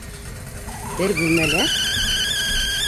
Бер бүлмәлә?